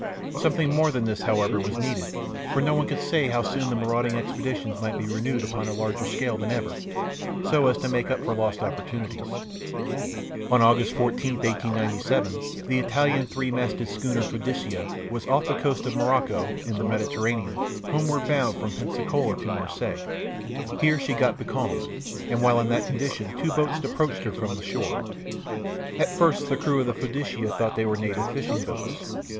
Something more than this, however, was needed, for no one could say how soon the marauding expeditions might be renewed upon a larger scale than ever, so as to make up for lost opportunities. On August 14, 1897, the Italian three masted schooner Fiducia was off the coast of Morocco, in the Mediterranean, homeward bound from Pensacola to Marseilles. Here she got becalmed, and while in that condition two boats approached her from the shore. At first the crew of the Fiducia thought they were native fishing boats.